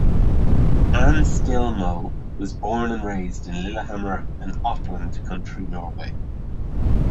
Anne Stine Moe was born and raised in Lillehammer, in Oppland county, Norway.